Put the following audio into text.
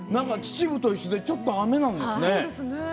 秩父と一緒でちょっと雨なんですね。